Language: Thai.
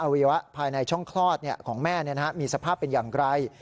วัยวะภายในช่องคลอดของแม่มีสภาพเป็นอย่างไร